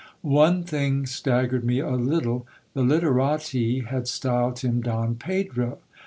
One thing staggered me a little ; the literati had styled him Don Pedro.